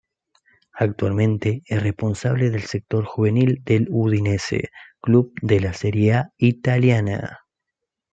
Actualmente es responsable del sector juvenil del Udinese, club de la Serie A italiana.